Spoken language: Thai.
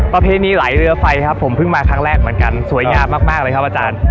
ประเพณีไหลเรือไฟครับผมเพิ่งมาครั้งแรกเหมือนกันสวยงามมากเลยครับอาจารย์